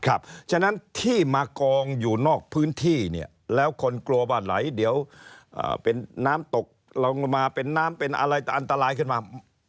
เพราะฉะนั้นที่มากองอยู่นอกพื้นที่เนี่ยแล้วคนกลัวบ้านไหลเดี๋ยวเป็นน้ำตกลงมาเป็นน้ำเป็นอะไรแต่อันตรายขึ้นมา